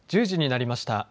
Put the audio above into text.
１０時になりました。